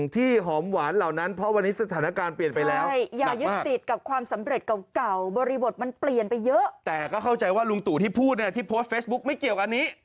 แต่ก็เข้าใจว่าลุงตู่ที่พูดเนี่ยที่โพสต์เฟซบุ๊กไม่เกี่ยวกับอันนี้